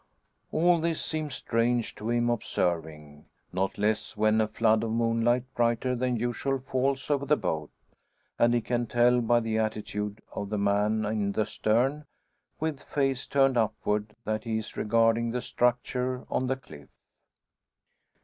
All this seems strange to him observing: not less when a flood of moonlight brighter than usual falls over the boat, and he can tell by the attitude of the man in the stern, with face turned upward, that he is regarding the structure on the cliff.